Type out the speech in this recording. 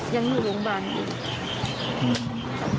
ยังอยู่โรงพยาบาล